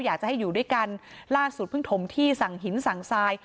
อยากจะให้อยู่ด้วยกันล่าสุดเพิ่งถมที่สั่งหินสั่งทราย